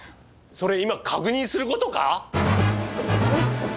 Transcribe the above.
それ今確認することか？